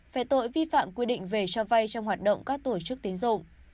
về tội vi phạm quy định về cho vay trong hoạt động các tổ chức tín dụng